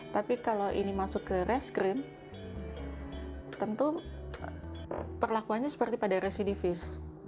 tapi kalau ini masuk ke reskrim tentu perlakuannya seperti pada residivis